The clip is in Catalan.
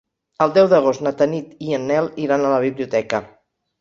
El deu d'agost na Tanit i en Nel iran a la biblioteca.